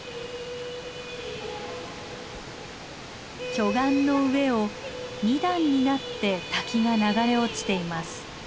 巨岩の上を２段になって滝が流れ落ちています。